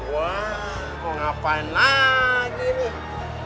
wah kok ngapain lagi ini